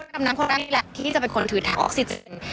ดำน้ำคนแรกนี่แหละที่จะเป็นคนถือถังออกซิเจน